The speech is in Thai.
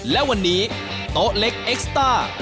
และวันนี้โต๊ะเล็กเอ็กซ์ต้า